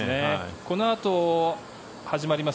このあと始まります